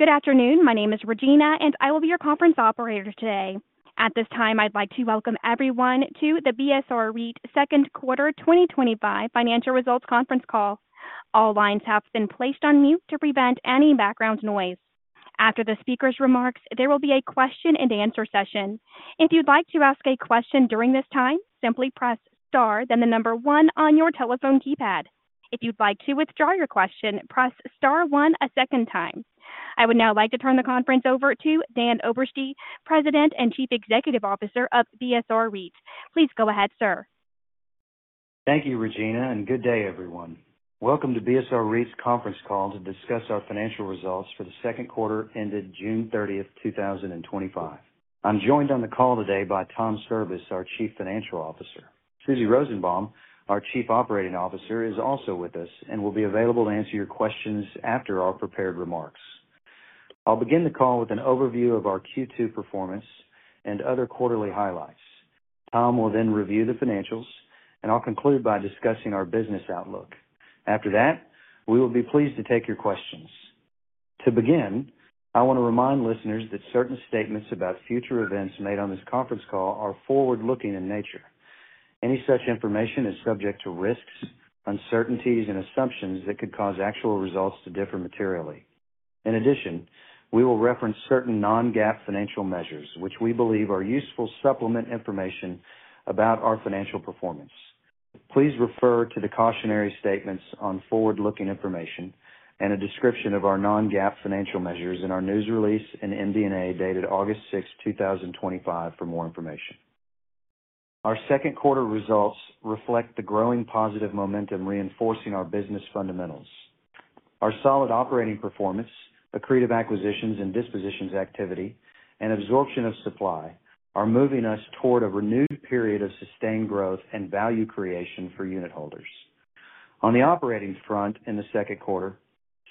Good afternoon. My name is Regina, and I will be your conference operator today. At this time, I'd like to welcome everyone to the BSR REIT Second Quarter 2025 Financial Results Conference Call. All lines have been placed on mute to prevent any background noise. After the speaker's remarks, there will be a question-and-answer session. If you'd like to ask a question during this time, simply press star then the number one on your telephone keypad. If you'd like to withdraw your question, press star one a second time. I would now like to turn the conference over to Dan Oberste, President and Chief Executive Officer of BSR REIT. Please go ahead, sir. Thank you, Regina, and good day, everyone. Welcome to BSR REIT's Conference Call to discuss our financial results for the second quarter ended June 30th, 2025. I'm joined on the call today by Tom Cirbus, our Chief Financial Officer. Susie Rosenbaum, our Chief Operating Officer, is also with us and will be available to answer your questions after our prepared remarks. I'll begin the call with an overview of our Q2 performance and other quarterly highlights. Tom will then review the financials, and I'll conclude by discussing our business outlook. After that, we will be pleased to take your questions. To begin, I want to remind listeners that certain statements about future events made on this conference call are forward-looking in nature. Any such information is subject to risks, uncertainties, and assumptions that could cause actual results to differ materially. In addition, we will reference certain non-GAAP financial measures, which we believe are useful supplement information about our financial performance. Please refer to the cautionary statements on forward-looking information and a description of our non-GAAP financial measures in our news release and MD&A dated August 6, 2025, for more information. Our second quarter results reflect the growing positive momentum reinforcing our business fundamentals. Our solid operating performance, accretive acquisitions and dispositions activity, and absorption of supply are moving us toward a renewed period of sustained growth and value creation for unitholders. On the operating front in the second quarter,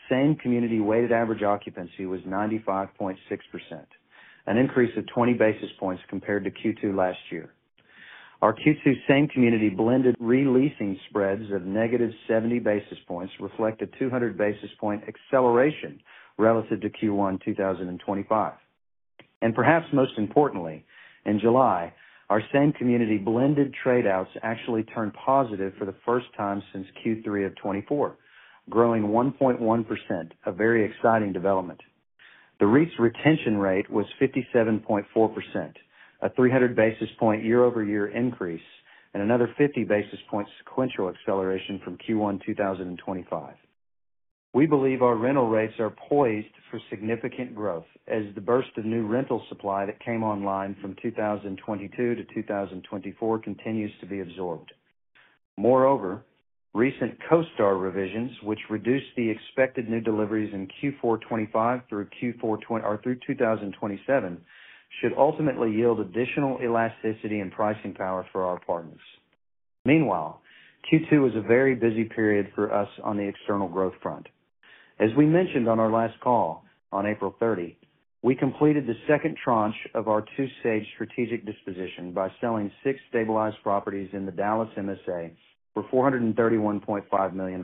same community weighted average occupancy was 95.6%, an increase of 20 basis points compared to Q2 last year. Our Q2 same community blended re-leasing spreads of -70 basis points reflect a 200 basis point acceleration relative to Q1 2025. Perhaps most importantly, in July, our same community blended tradeouts actually turned positive for the first time since Q3 of 2024, growing 1.1%, a very exciting development. The REIT's retention rate was 57.4%, a 300 basis point year-over-year increase, and another 50 basis point sequential acceleration from Q1 2025. We believe our rental rates are poised for significant growth as the burst of new rental supply that came online from 2022-2024 continues to be absorbed. Moreover, recent CoStar revisions, which reduce the expected new deliveries in Q4 2025 through Q4 or through 2027, should ultimately yield additional elasticity and pricing power for our partners. Meanwhile, Q2 was a very busy period for us on the external growth front. As we mentioned on our last call on April 30, we completed the second tranche of our two-stage strategic disposition by selling six stabilized properties in the Dallas MSA for $431.5 million.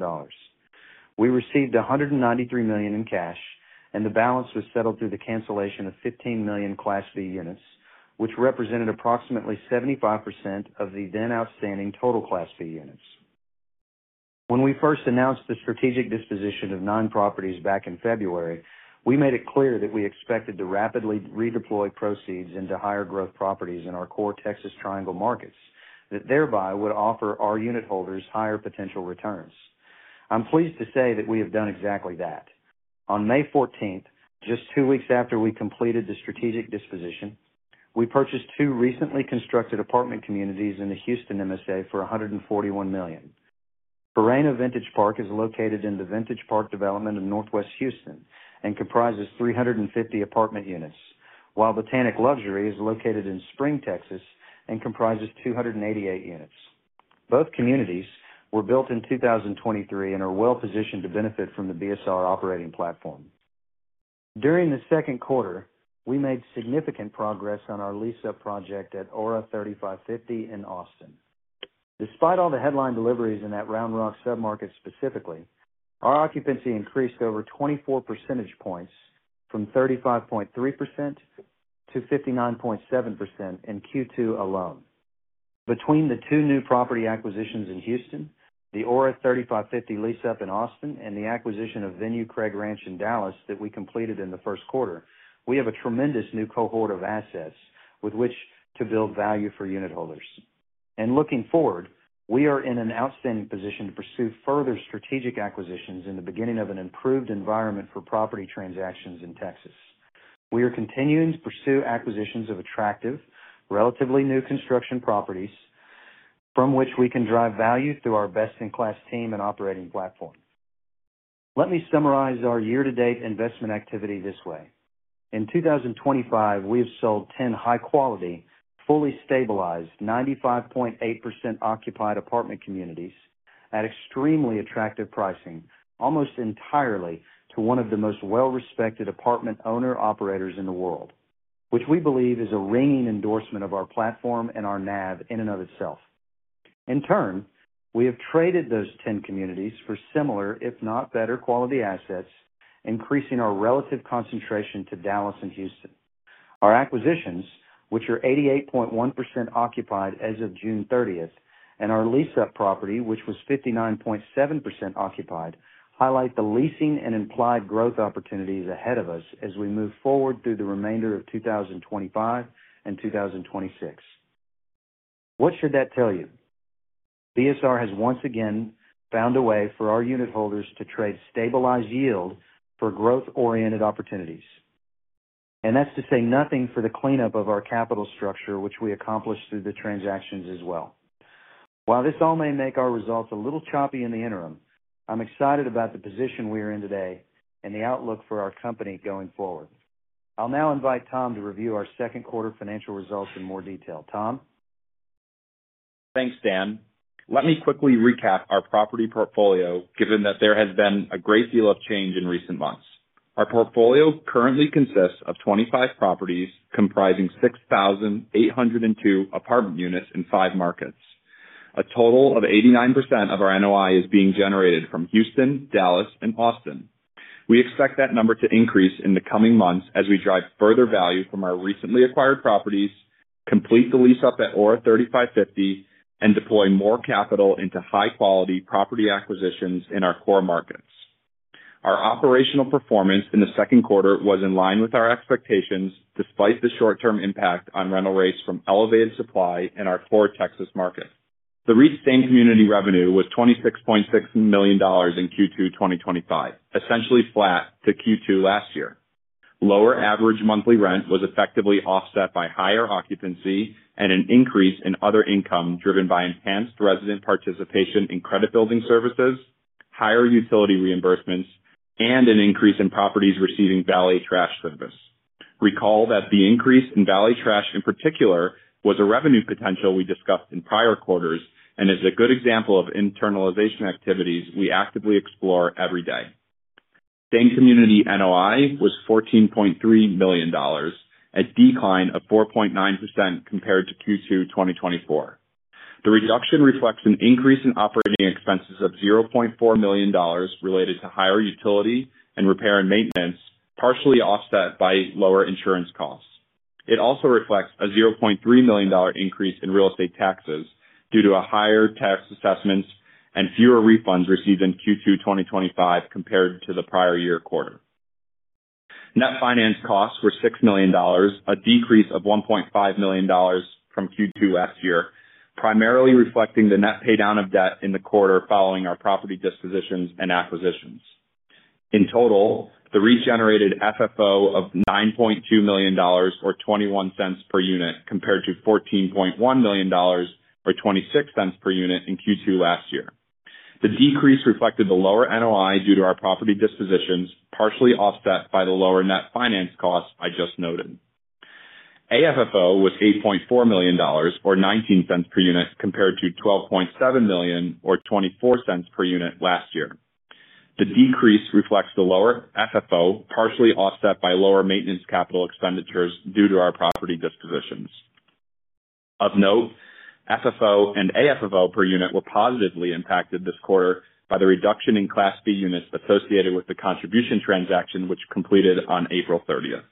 We received $193 million in cash, and the balance was settled through the cancellation of 15 million Class B units, which represented approximately 75% of the then outstanding total Class B units. When we first announced the strategic disposition of nine properties back in February, we made it clear that we expected to rapidly redeploy proceeds into higher growth properties in our core Texas Triangle markets that thereby would offer our unitholders higher potential returns. I'm pleased to say that we have done exactly that. On May 14th, just two weeks after we completed the strategic disposition, we purchased two recently constructed apartment communities in the Houston MSA for $141 million. Harenna Vintage Park is located in the Vintage Park development of Northwest Houston and comprises 350 apartment units, while Botanic Luxury is located in Spring, Texas, and comprises 288 units. Both communities were built in 2023 and are well positioned to benefit from the BSR operating platform. During the second quarter, we made significant progress on our lease-up project Aura 35Fifty in Austin. Despite all the headline deliveries in that Round Rock submarket specifically, our occupancy increased over 24 percentage points from 35.3%-59.7% in Q2 alone. Between the two new property acquisitions in Houston, Aura 35Fifty lease-up in Austin, and the acquisition of Venue Craig Ranch in Dallas that we completed in the first quarter, we have a tremendous new cohort of assets with which to build value for unitholders. Looking forward, we are in an outstanding position to pursue further strategic acquisitions in the beginning of an improved environment for property transactions in Texas. We are continuing to pursue acquisitions of attractive, relatively new construction properties from which we can drive value through our best-in-class team and operating platform. Let me summarize our year-to-date investment activity this way. In 2025, we have sold 10 high-quality, fully stabilized, 95.8% occupied apartment communities at extremely attractive pricing, almost entirely to one of the most well-respected apartment owner-operators in the world, which we believe is a ringing endorsement of our platform and our NAV in and of itself. In turn, we have traded those 10 communities for similar, if not better, quality assets, increasing our relative concentration to Dallas and Houston. Our acquisitions, which are 88.1% occupied as of June 30th, and our lease-up property, which was 59.7% occupied, highlight the leasing and implied growth opportunities ahead of us as we move forward through the remainder of 2025 and 2026. What should that tell you? BSR has once again found a way for our unitholders to trade stabilized yield for growth-oriented opportunities. That is to say nothing for the cleanup of our capital structure, which we accomplished through the transactions as well. While this all may make our results a little choppy in the interim, I'm excited about the position we are in today and the outlook for our company going forward. I'll now invite Tom to review our second quarter financial results in more detail. Tom? Thanks, Dan. Let me quickly recap our property portfolio, given that there has been a great deal of change in recent months. Our portfolio currently consists of 25 properties comprising 6,802 apartment units in five markets. A total of 89% of our NOI is being generated from Houston, Dallas, and Austin. We expect that number to increase in the coming months as we drive further value from our recently acquired properties, complete the lease-up Aura 35Fifty and deploy more capital into high-quality property acquisitions in our core markets. Our operational performance in the second quarter was in line with our expectations despite the short-term impact on rental rates from elevated supply in our core Texas market. The REIT's same community revenue was $26.6 million in Q2 2025, essentially flat to Q2 last year. Lower average monthly rent was effectively offset by higher occupancy and an increase in other income driven by enhanced resident participation in credit building services, higher utility reimbursements, and an increase in properties receiving valet trash service. Recall that the increase in valet trash in particular was a revenue potential we discussed in prior quarters and is a good example of internalization activities we actively explore every day. Same community NOI was $14.3 million, a decline of 4.9% compared to Q2 2024. The reduction reflects an increase in operating expenses of $0.4 million related to higher utility and repair and maintenance, partially offset by lower insurance costs. It also reflects a $0.3 million increase in real estate taxes due to a higher tax assessment and fewer refunds received in Q2 2025 compared to the prior year quarter. Net finance costs were $6 million, a decrease of $1.5 million from Q2 last year, primarily reflecting the net paydown of debt in the quarter following our property dispositions and acquisitions. In total, the REIT generated FFO of $9.2 million or $0.21 per unit compared to $14.1 million or $0.26 per unit in Q2 last year. The decrease reflected the lower NOI due to our property dispositions, partially offset by the lower net finance costs I just noted. AFFO was $8.4 million or $0.19 per unit compared to $12.7 million or $0.24 per unit last year. The decrease reflects the lower FFO, partially offset by lower maintenance capital expenditures due to our property dispositions. Of note, FFO and AFFO per unit were positively impacted this quarter by the reduction in Class B units associated with the contribution transaction, which completed on April 30th.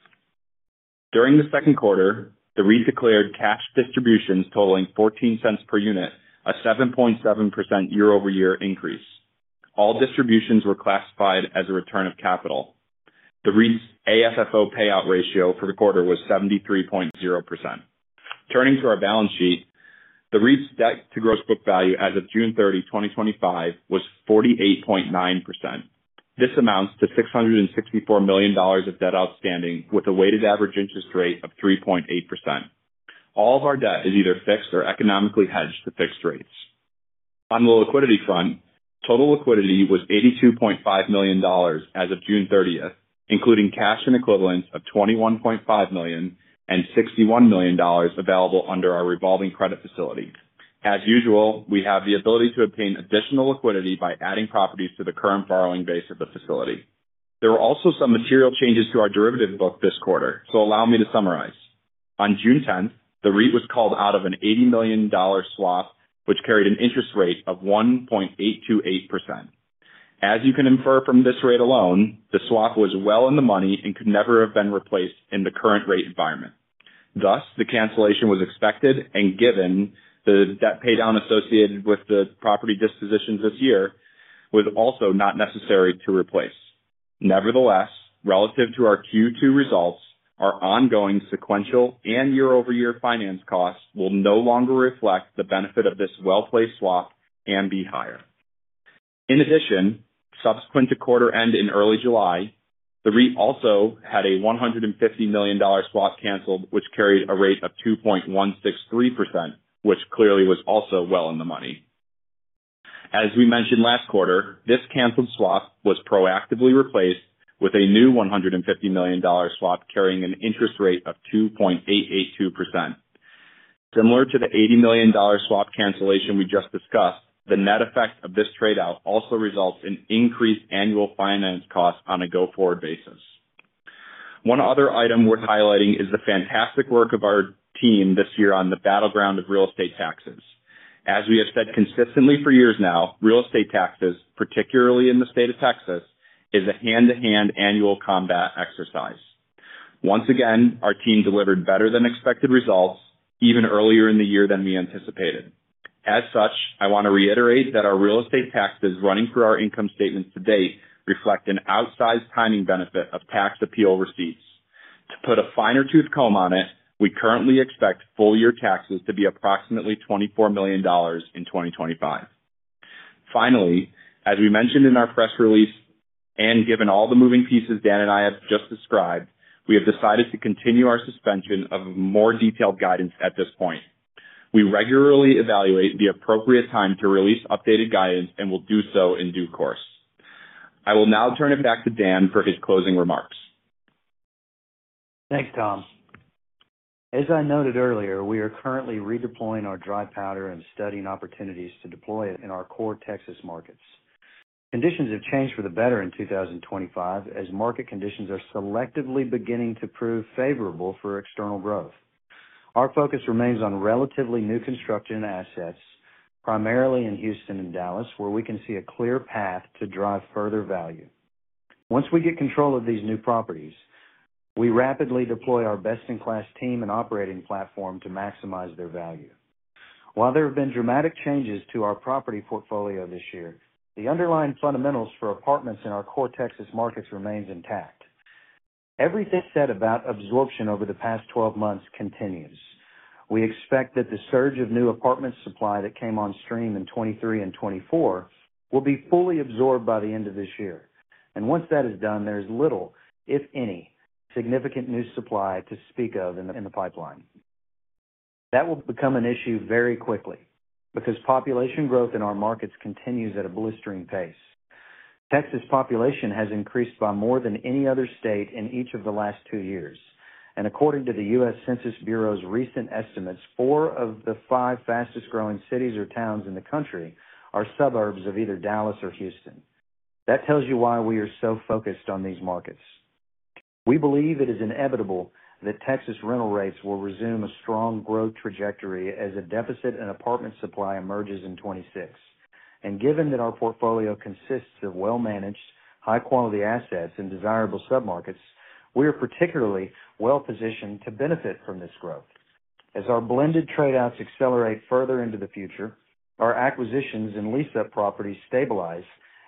During the second quarter, the REIT declared cash distributions totaling $0.14 per unit, a 7.7% year-over-year increase. All distributions were classified as a return of capital. The REIT's AFFO payout ratio for the quarter was 73.0%. Turning to our balance sheet, the REIT's debt to gross book value as of June 30, 2025, was 48.9%. This amounts to $664 million of debt outstanding with a weighted average interest rate of 3.8%. All of our debt is either fixed or economically hedged to fixed rates. On the liquidity fund, total liquidity was $82.5 million as of June 30th, including cash and equivalents of $21.5 million and $61 million available under our revolving credit facility. As usual, we have the ability to obtain additional liquidity by adding properties to the current borrowing base of the facility. There were also some material changes to our derivative book this quarter, so allow me to summarize. On June 10, the REIT was called out of an $80 million swap, which carried an interest rate of 1.828%. As you can infer from this rate alone, the swap was well in the money and could never have been replaced in the current rate environment. Thus, the cancellation was expected and given the debt paydown associated with the property disposition this year was also not necessary to replace. Nevertheless, relative to our Q2 results, our ongoing sequential and year-over-year finance costs will no longer reflect the benefit of this well-placed swap and be higher. In addition, subsequent to quarter end in early July, the REIT also had a $150 million swap canceled, which carried a rate of 2.163%, which clearly was also well in the money. As we mentioned last quarter, this canceled swap was proactively replaced with a new $150 million swap carrying an interest rate of 2.882%. Similar to the $80 million swap cancellation we just discussed, the net effect of this tradeout also results in increased annual finance costs on a go-forward basis. One other item worth highlighting is the fantastic work of our team this year on the battleground of real estate taxes. As we have said consistently for years now, real estate taxes, particularly in the state of Texas, is a hand-to-hand annual combat exercise. Once again, our team delivered better than expected results, even earlier in the year than we anticipated. As such, I want to reiterate that our real estate taxes running through our income statements to date reflect an outsized timing benefit of tax appeal receipts. To put a finer-tooth comb on it, we currently expect full-year taxes to be approximately $24 million in 2025. Finally, as we mentioned in our press release, and given all the moving pieces Dan and I have just described, we have decided to continue our suspension of more detailed guidance at this point. We regularly evaluate the appropriate time to release updated guidance and will do so in due course. I will now turn it back to Dan for his closing remarks. Thanks, Tom. As I noted earlier, we are currently redeploying our dry powder and studying opportunities to deploy it in our core Texas markets. Conditions have changed for the better in 2025 as market conditions are selectively beginning to prove favorable for external growth. Our focus remains on relatively new construction assets, primarily in Houston and Dallas, where we can see a clear path to drive further value. Once we get control of these new properties, we rapidly deploy our best-in-class team and operating platform to maximize their value. While there have been dramatic changes to our property portfolio this year, the underlying fundamentals for apartments in our core Texas markets remain intact. Everything said about absorption over the past 12 months continues. We expect that the surge of new apartment supply that came on stream in 2023 and 2024 will be fully absorbed by the end of this year. Once that is done, there is little, if any, significant new supply to speak of in the pipeline. That will become an issue very quickly because population growth in our markets continues at a blistering pace. Texas' population has increased by more than any other state in each of the last two years. According to the U.S. Census Bureau's recent estimates, four of the five fastest growing cities or towns in the country are suburbs of either Dallas or Houston. That tells you why we are so focused on these markets. We believe it is inevitable that Texas rental rates will resume a strong growth trajectory as a deficit in apartment supply emerges in 2026. Given that our portfolio consists of well-managed, high-quality assets in desirable submarkets, we are particularly well positioned to benefit from this growth. As our blended tradeouts accelerate further into the future, our acquisitions and lease-up properties stabilize,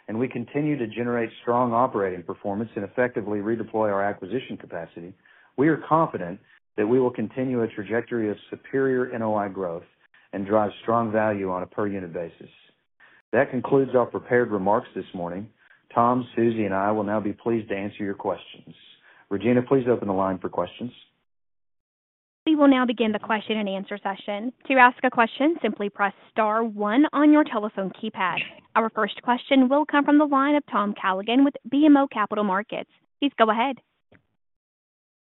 and we continue to generate strong operating performance and effectively redeploy our acquisition capacity, we are confident that we will continue a trajectory of superior NOI growth and drive strong value on a per-unit basis. That concludes our prepared remarks this morning. Tom, Susie, and I will now be pleased to answer your questions. Regina, please open the line for questions. We will now begin the question-and-answer session. To ask a question, simply press star one on your telephone keypad. Our first question will come from the line of Tom Callaghan with BMO Capital Markets. Please go ahead.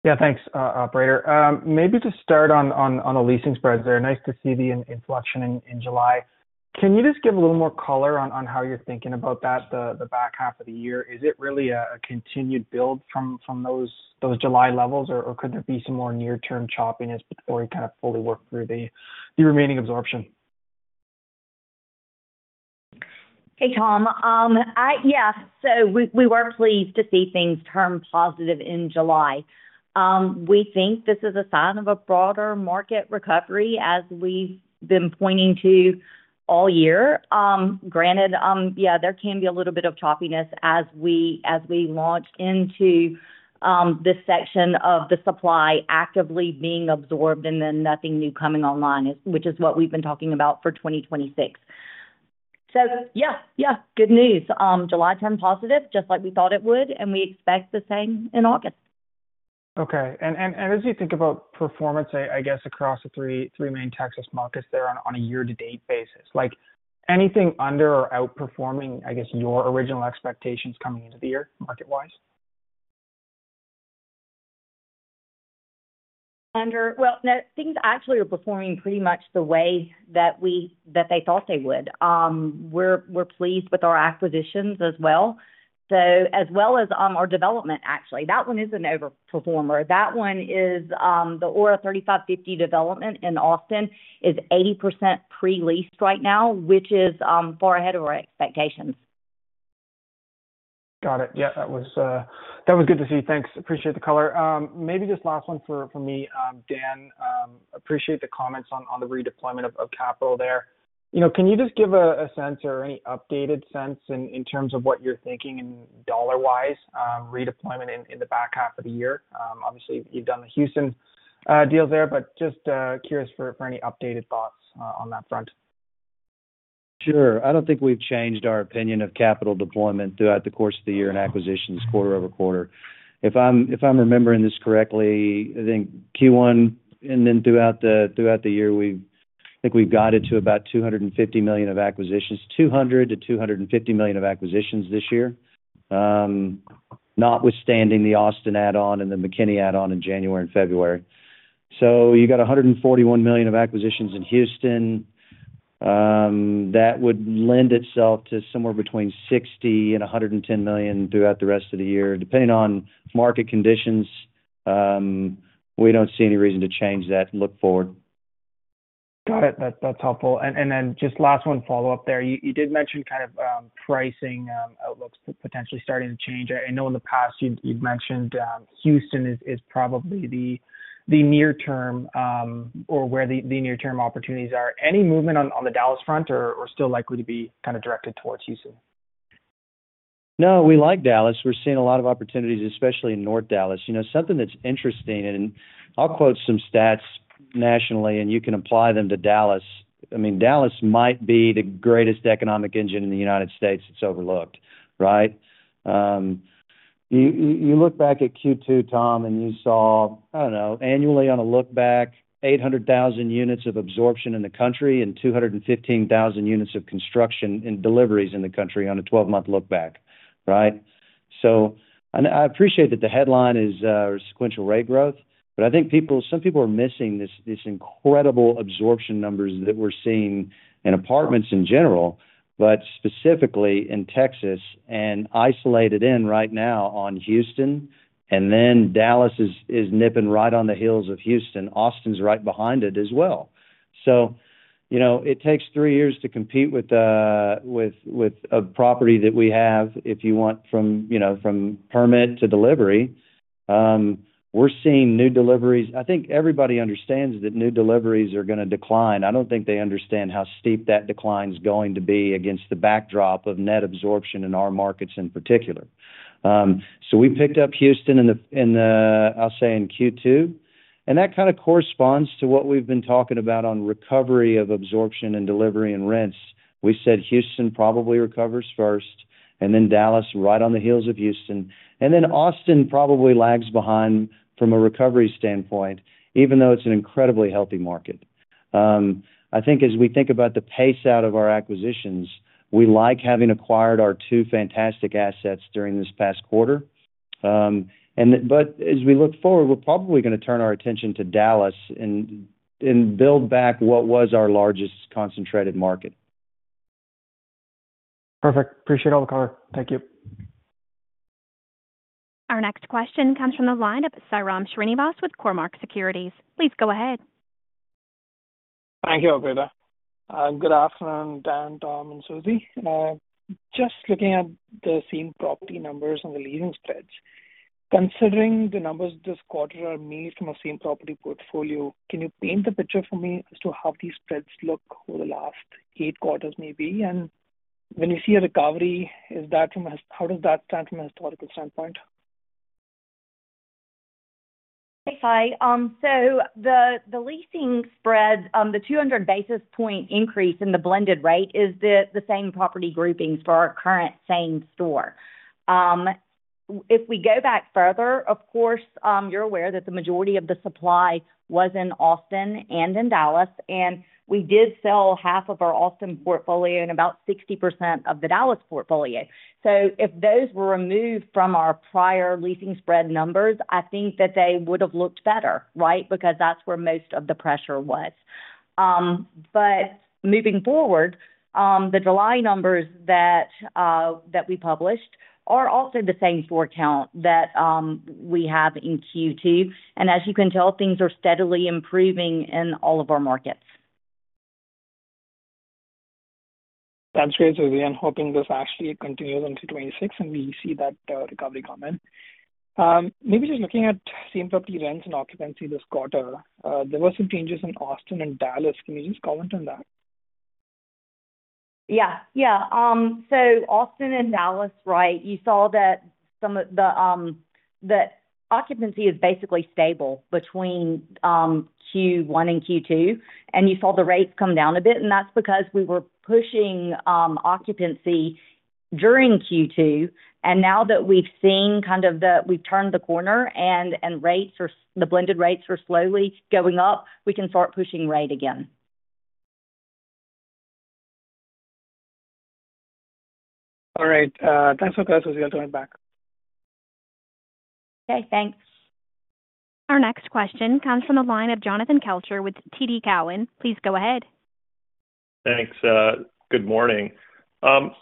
Yeah, thanks, operator. Maybe to start on the leasing spreads, it's nice to see the inflection in July. Can you just give a little more color on how you're thinking about that the back half of the year? Is it really a continued build from those July levels, or could there be some more near-term choppiness before we kind of fully work through the remaining absorption? Hey, Tom. Yeah, we were pleased to see things turn positive in July. We think this is a sign of a broader market recovery, as we've been pointing to all year. Granted, there can be a little bit of choppiness as we launch into the section of the supply actively being absorbed and then nothing new coming online, which is what we've been talking about for 2026. Good news. July 10 positive, just like we thought it would, and we expect the same in August. Okay. As you think about performance across the three main Texas markets there on a year-to-date basis, is anything under or outperforming your original expectations coming into the year market-wise? Things actually are performing pretty much the way that they thought they would. We're pleased with our acquisitions as well as our development, actually. That one is an overperformer. That one is Aura 35Fifty development in Austin, which is 80% pre-leased right now, far ahead of our expectations. Got it. Yeah, that was good to see. Thanks. Appreciate the color. Maybe just last one for me, Dan. Appreciate the comments on the redeployment of capital there. Can you just give a sense or any updated sense in terms of what you're thinking in dollar-wise, redeployment in the back half of the year? Obviously, you've done the Houston deals there, just curious for any updated thoughts on that front. Sure. I don't think we've changed our opinion of capital deployment throughout the course of the year in acquisitions, quarter-over-quarter. If I'm remembering this correctly, I think Q1 and then throughout the year, I think we've guided to about $250 million of acquisitions, $200 million- $250 million of acquisitions this year, notwithstanding the Austin add-on and the McKinney add-on in January and February. You got $141 million of acquisitions in Houston. That would lend itself to somewhere between $60 and $110 million throughout the rest of the year, depending on market conditions. We don't see any reason to change that and look forward. Got it. That's helpful. Just last one follow-up there. You did mention kind of pricing outlooks potentially starting to change. I know in the past you'd mentioned Houston is probably the near-term or where the near-term opportunities are. Any movement on the Dallas front or still likely to be kind of directed towards Houston? No, we like Dallas. We're seeing a lot of opportunities, especially in North Dallas. You know, something that's interesting, and I'll quote some stats nationally, and you can apply them to Dallas. I mean, Dallas might be the greatest economic engine in the United States. It's overlooked, right? You look back at Q2, Tom, and you saw, I don't know, annually on a lookback, 800,000 units of absorption in the country and 215,000 units of construction and deliveries in the country on a 12-month lookback, right? I appreciate that the headline is sequential rate growth, but I think people, some people are missing these incredible absorption numbers that we're seeing in apartments in general, but specifically in Texas and isolated in right now on Houston. Dallas is nipping right on the heels of Houston. Austin's right behind it as well. You know, it takes three years to compete with a property that we have if you want from, you know, from permit to delivery. We're seeing new deliveries. I think everybody understands that new deliveries are going to decline. I don't think they understand how steep that decline is going to be against the backdrop of net absorption in our markets in particular. We picked up Houston in the, I'll say in Q2. That kind of corresponds to what we've been talking about on recovery of absorption and delivery and rents. We said Houston probably recovers first, and then Dallas right on the heels of Houston. Austin probably lags behind from a recovery standpoint, even though it's an incredibly healthy market. I think as we think about the pace out of our acquisitions, we like having acquired our two fantastic assets during this past quarter. As we look forward, we're probably going to turn our attention to Dallas and build back what was our largest concentrated market. Perfect. Appreciate all the color. Thank you. Our next question comes from the line of Sairam Srinivas with Cormark Securities. Please go ahead. Thank you, operator. Good afternoon, Dan, Tom, and Susie. Just looking at the same property numbers and the leasing spreads, considering the numbers this quarter are made from a same property portfolio, can you paint the picture for me as to how these spreads look over the last eight quarters maybe? When you see a recovery, is that from a, how does that stand from a historical standpoint? Okay, hi. The leasing spreads, the 200 basis point increase in the blended rate, is the same property groupings for our current same community. If we go back further, of course, you're aware that the majority of the supply was in Austin and in Dallas. We did sell half of our Austin portfolio and about 60% of the Dallas portfolio. If those were removed from our prior leasing spread numbers, I think that they would have looked better, right? That's where most of the pressure was. Moving forward, the July numbers that we published are also the same floor count that we have in Q2. As you can tell, things are steadily improving in all of our markets. That's great, Susie. I'm hoping this actually continues on Q2 2026, and we see that recovery coming. Maybe just looking at same community rents and occupancy this quarter, there were some changes in Austin and Dallas. Can you just comment on that? Austin and Dallas, right, you saw that some of the occupancy is basically stable between Q1 and Q2. You saw the rates come down a bit, and that's because we were pushing occupancy during Q2. Now that we've seen kind of that we've turned the corner and rates or the blended rates are slowly going up, we can start pushing rate again. All right. Thanks for that, Susie. I'll join back. Okay, thanks. Our next question comes from the line of Jonathan Kelcher with TD Cowen. Please go ahead. Thanks. Good morning.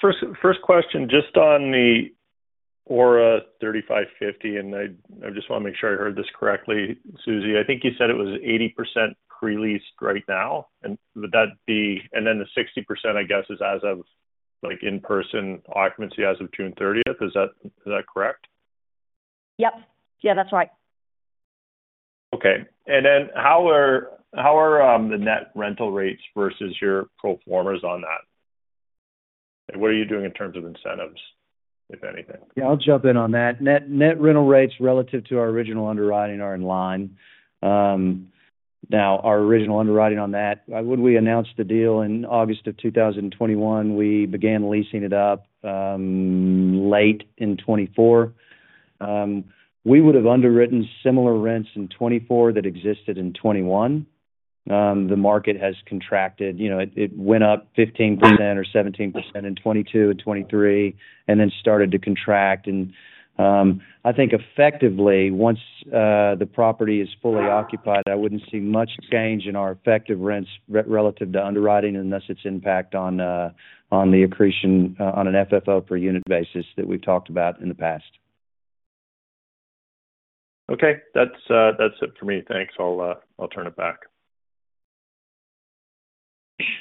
First question just on Aura 35Fifty and I just want to make sure I heard this correctly, Susie. I think you said it was 80% pre-leased right now. Would that be, and the 60%, I guess, is as of in-person occupancy as of June 30th. Is that correct? Yeah, that's right. Okay. How are the net rental rates versus your proformas on that? What are you doing in terms of incentives, if anything? Yeah, I'll jump in on that. Net rental rates relative to our original underwriting are in line. Now, our original underwriting on that, when we announced the deal in August of 2021, we began leasing it up late in 2024. We would have underwritten similar rents in 2024 that existed in 2021. The market has contracted, you know, it went up 15% or 17% in 2022 and 2023, and then started to contract. I think effectively, once the property is fully occupied, I wouldn't see much change in our effective rents relative to underwriting unless it's impact on the accretion on an FFO per unit basis that we've talked about in the past. Okay, that's it for me. Thanks. I'll turn it back.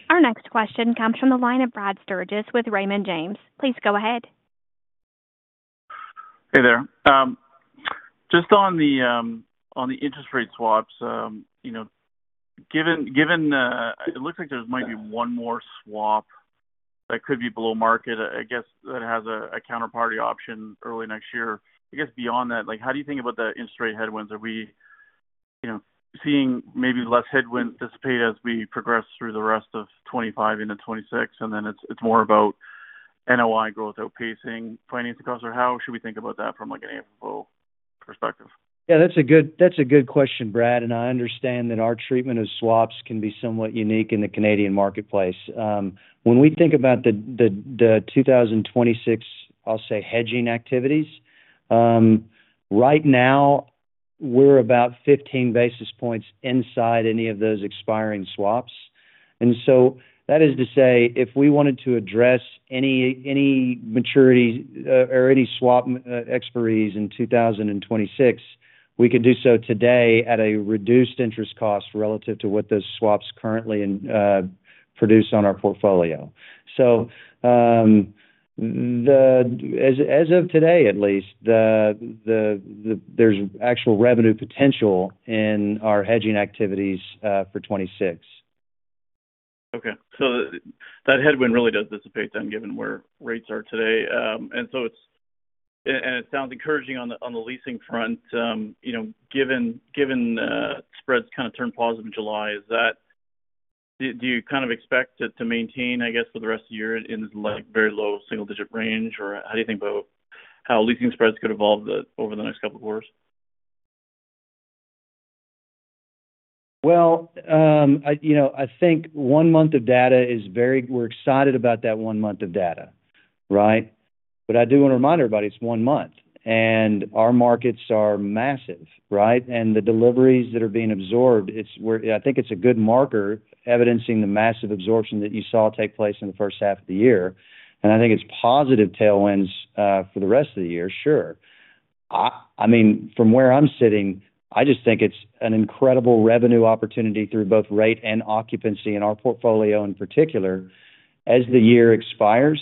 Our next question comes from the line of Brad Sturges with Raymond James. Please go ahead. Hey there. Just on the interest rate swaps, given it looks like there might be one more swap that could be below market, I guess that has a counterparty option early next year. Beyond that, how do you think about the interest rate headwinds? Are we seeing maybe less headwind dissipate as we progress through the rest of 2025 into 2026, and then it's more about NOI growth outpacing financing costs, or how should we think about that from an AFFO perspective? Yeah, that's a good question, Brad, and I understand that our treatment of swaps can be somewhat unique in the Canadian marketplace. When we think about the 2026, I'll say hedging activities, right now we're about 15 basis points inside any of those expiring swaps. That is to say if we wanted to address any maturity or any swap expiry in 2026, we could do so today at a reduced interest cost relative to what those swaps currently produce on our portfolio. As of today, at least, there's actual revenue potential in our hedging activities for 2026. Okay. That headwind really does dissipate, then, given where rates are today. It sounds encouraging on the leasing front. You know, given spreads kind of turn positive in July, do you kind of expect it to maintain, I guess, for the rest of the year in the very low single-digit range, or how do you think about how leasing spreads could evolve over the next couple of quarters? I think one month of data is very, we're excited about that one month of data, right? I do want to remind everybody it's one month. Our markets are massive, right? The deliveries that are being absorbed, I think it's a good marker evidencing the massive absorption that you saw take place in the first half of the year. I think it's positive tailwinds for the rest of the year, sure. From where I'm sitting, I just think it's an incredible revenue opportunity through both rate and occupancy in our portfolio in particular as the year expires.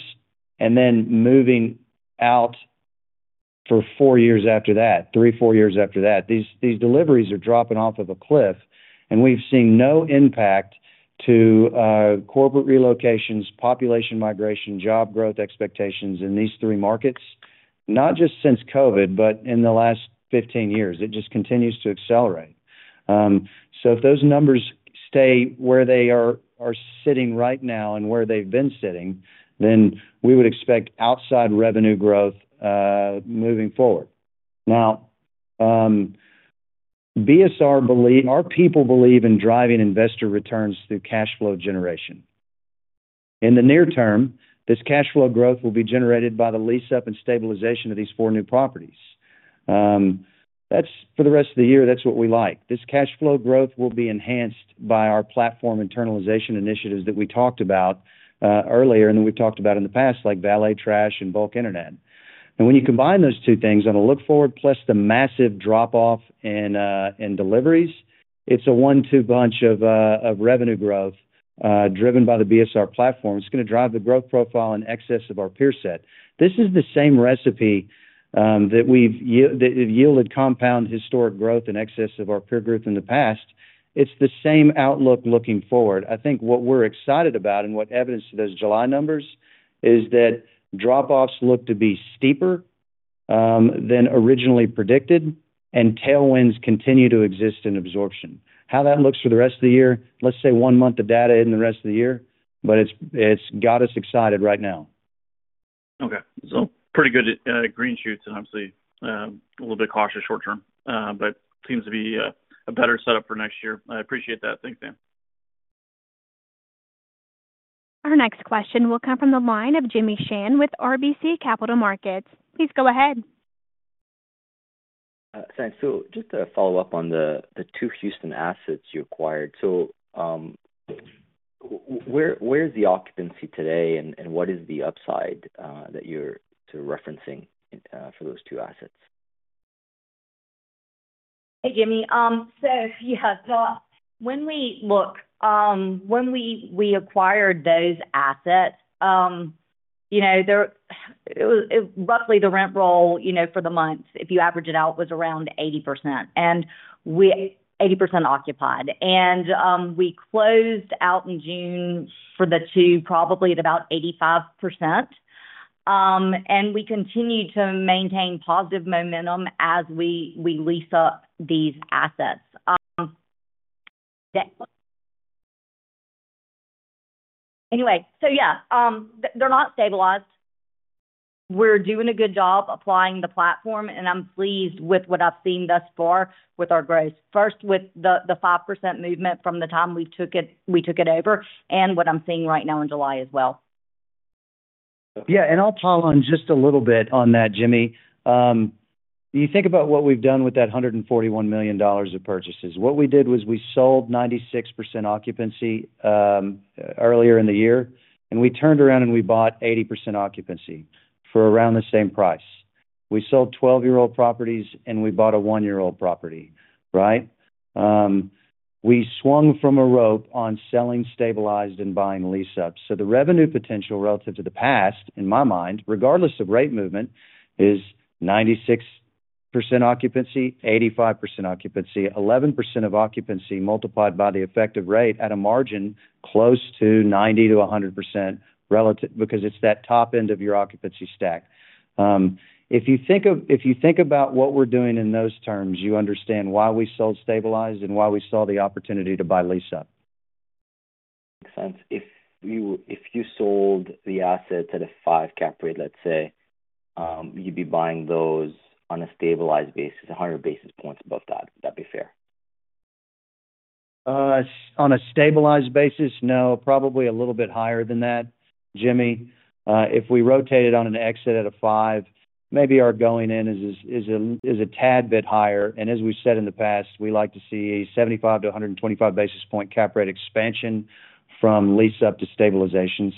Moving out for four years after that, three, four years after that, these deliveries are dropping off of a cliff. We've seen no impact to corporate relocations, population migration, job growth expectations in these three markets, not just since COVID, but in the last 15 years. It just continues to accelerate. If those numbers stay where they are sitting right now and where they've been sitting, then we would expect outside revenue growth moving forward. Now, BSR believes, our people believe in driving investor returns through cash flow generation. In the near term, this cash flow growth will be generated by the lease-up and stabilization of these four new properties. That's for the rest of the year, that's what we like. This cash flow growth will be enhanced by our platform internalization initiatives that we talked about earlier and that we've talked about in the past, like valet trash and bulk internet. When you combine those two things on a look forward, plus the massive drop-off in deliveries, it's a one-two bunch of revenue growth driven by the BSR platform. It's going to drive the growth profile in excess of our peer set. This is the same recipe that yielded compound historic growth in excess of our peer group in the past. It's the same outlook looking forward. I think what we're excited about and what evidence to those July numbers is that drop-offs look to be steeper than originally predicted, and tailwinds continue to exist in absorption. How that looks for the rest of the year, let's say one month of data in the rest of the year, but it's got us excited right now. Okay. Pretty good green shoots and obviously a little bit cautious short-term, but it seems to be a better setup for next year. I appreciate that. Thanks, Dan. Our next question will come from the line of Jimmy Shan with RBC Capital Markets. Please go ahead. Thanks. Just to follow up on the two Houston assets you acquired, where is the occupancy today, and what is the upside that you're sort of referencing for those two assets? Hey, Jimmy. When we acquired those assets, the rent roll for the month, if you average it out, was around 80% and we were 80% occupied. We closed out in June for the two probably at about 85%. We continue to maintain positive momentum as we lease up these assets. They're not stabilized. We're doing a good job applying the platform, and I'm pleased with what I've seen thus far with our growth, first with the 5% movement from the time we took it over and what I'm seeing right now in July as well. Yeah, and I'll pile on just a little bit on that, Jimmy. You think about what we've done with that $141 million of purchases. What we did was we sold 96% occupancy earlier in the year, and we turned around and we bought 80% occupancy for around the same price. We sold 12-year-old properties and we bought a one-year-old property, right? We swung from a rope on selling stabilized and buying lease-ups. The revenue potential relative to the past, in my mind, regardless of rate movement, is 96% occupancy, 85% occupancy, 11% of occupancy multiplied by the effective rate at a margin close to 90%-100% relative because it's that top end of your occupancy stack. If you think about what we're doing in those terms, you understand why we sold stabilized and why we saw the opportunity to buy lease-up. Makes sense. If you sold the assets at a 5% cap rate, let's say, you'd be buying those on a stabilized basis, 100 basis points above that. Would that be fair? On a stabilized basis, no, probably a little bit higher than that, Jimmy. If we rotated on an exit at a 5, maybe our going in is a tad bit higher. As we've said in the past, we like to see a 75125 basis point cap rate expansion from lease-up to stabilization.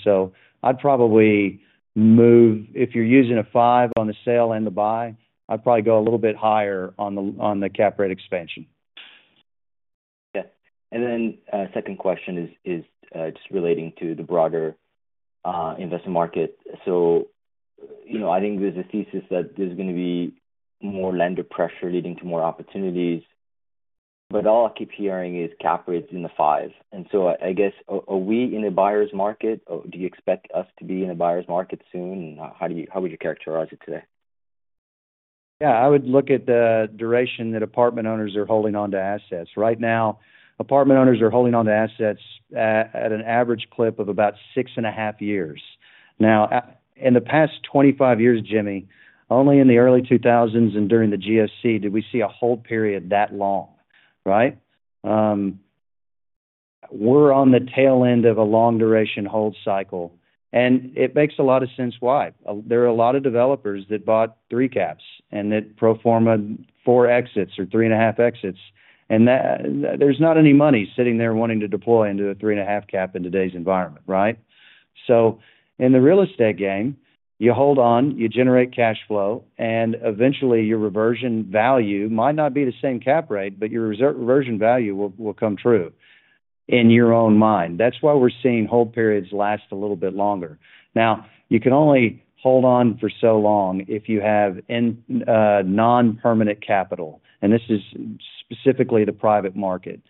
I'd probably move, if you're using a 5 on the sale and the buy, I'd probably go a little bit higher on the cap rate expansion. Okay. A second question is just relating to the broader investment market. I think there's a thesis that there's going to be more lender pressure leading to more opportunities. All I keep hearing is cap rates in the five. I guess, are we in a buyer's market? Do you expect us to be in a buyer's market soon? How would you characterize it today? Yeah, I would look at the duration that apartment owners are holding onto assets. Right now, apartment owners are holding onto assets at an average clip of about six and a half years. In the past 25 years, Jimmy, only in the early 2000s and during the GOC did we see a hold period that long, right? We're on the tail end of a long-duration hold cycle. It makes a lot of sense why. There are a lot of developers that bought three caps and that proformed four exits or three and a half exits. There's not any money sitting there wanting to deploy into a three and a half cap in today's environment, right? In the real estate game, you hold on, you generate cash flow, and eventually your reversion value might not be the same cap rate, but your reversion value will come true in your own mind. That's why we're seeing hold periods last a little bit longer. You can only hold on for so long if you have non-permanent capital. This is specifically the private market.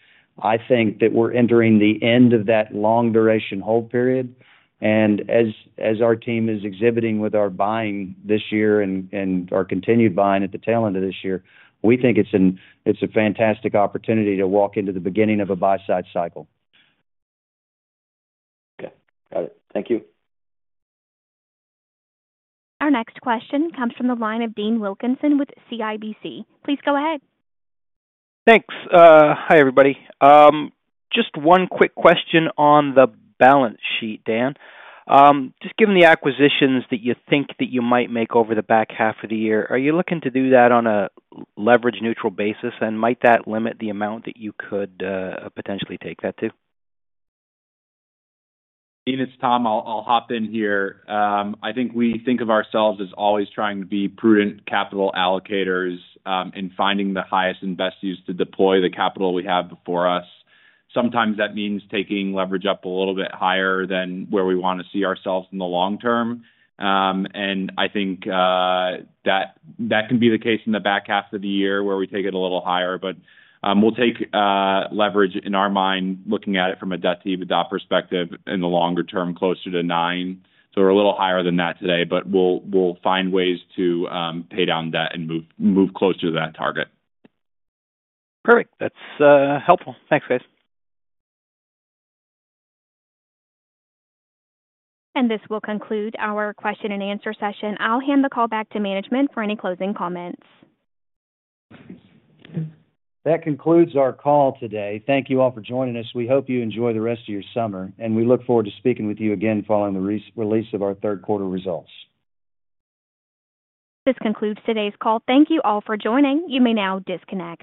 I think that we're entering the end of that long-duration hold period. As our team is exhibiting with our buying this year and our continued buying at the tail end of this year, we think it's a fantastic opportunity to walk into the beginning of a buy-side cycle. Yeah, got it. Thank you. Our next question comes from the line of Dean Wilkinson with CIBC. Please go ahead. Thanks. Hi, everybody. Just one quick question on the balance sheet, Dan. Given the acquisitions that you think that you might make over the back half of the year, are you looking to do that on a leverage-neutral basis? Might that limit the amount that you could potentially take that to? Dean, it's Tom. I'll hop in here. I think we think of ourselves as always trying to be prudent capital allocators in finding the highest and best use to deploy the capital we have before us. Sometimes that means taking leverage up a little bit higher than where we want to see ourselves in the long term. I think that can be the case in the back half of the year where we take it a little higher. We'll take leverage in our mind, looking at it from a debt to EBITDA perspective in the longer term, closer to nine. We're a little higher than that today, but we'll find ways to pay down debt and move closer to that target. Perfect. That's helpful. Thanks, guys. This will conclude our question-and-answer session. I'll hand the call back to management for any closing comments. That concludes our call today. Thank you all for joining us. We hope you enjoy the rest of your summer, and we look forward to speaking with you again following the release of our third quarter results. This concludes today's call. Thank you all for joining. You may now disconnect.